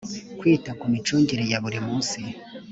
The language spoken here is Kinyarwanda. kwita ku micungire ya buri munsi